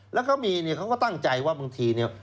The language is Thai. แล้วเขามีเนี่ยเขาก็ตั้งใจว่าบางทีเนี่ย